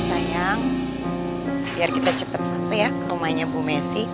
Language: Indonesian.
sayang biar kita cepat sampai ya ke rumahnya bu messi